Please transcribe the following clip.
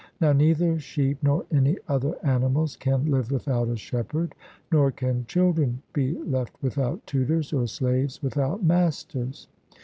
Now neither sheep nor any other animals can live without a shepherd, nor can children be left without tutors, or slaves without masters.